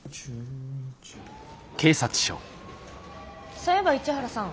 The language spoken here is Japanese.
そういえば市原さん。